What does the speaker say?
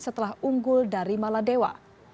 setelah unggul dari maladewa